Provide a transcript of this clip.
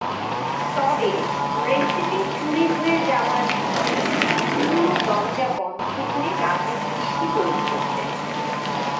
তবে রেসিপি চুরি হয়ে যাওয়ার ভয়ে তিনিও দরজা বন্ধ করে রাতে মিষ্টি তৈরী করতেন।